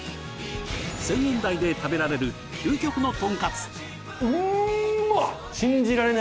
１０００円台で食べられる究極のトンカツうんまっ！